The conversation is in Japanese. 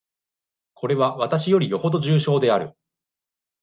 これは、私よりよほど重症である。